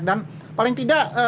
dan paling tidak